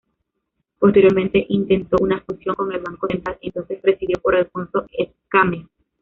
Posteriormente, intentó una fusión con el Banco Central, entonces presidido por Alfonso Escámez.